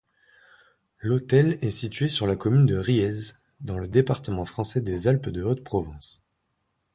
L'hôtel est situé sur la commune de Riez, dans le département français des Alpes-de-Haute-Provence.